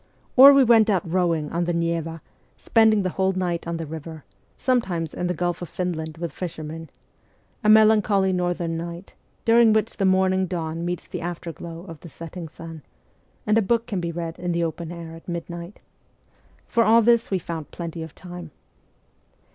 Or we went out rowing on the Neva, spending the whole night on the river, some times in the Gulf of Finland with fishermen a melancholy northern night, during which the morning dawn meets the afterglow of the setting sun, and a book can be read in the open air at midnight. For all this we found plenty of time.